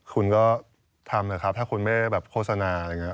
คุณก็ทำนะครับถ้าคุณไม่แบบโฆษณาอะไรอย่างนี้